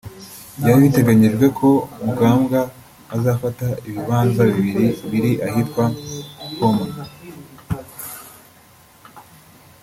Byari biteganyijwe ko Mugambwa azafata ibibanza bibiri biri ahitwa Mpoma